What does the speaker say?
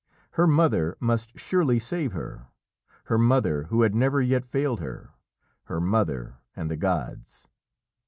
Her mother must surely save her her mother who had never yet failed her her mother, and the gods.